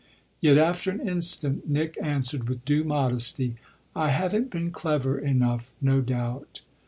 Yet after an instant Nick answered with due modesty: "I haven't been clever enough, no doubt."